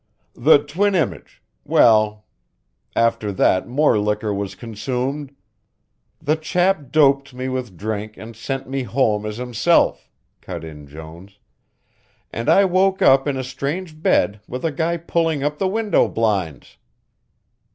"The twin image well, after that more liquor was consumed " "The chap doped me with drink and sent me home as himself," cut in Jones, "and I woke up in a strange bed with a guy pulling up the window blinds."